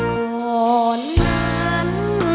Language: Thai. ก่อนนั้น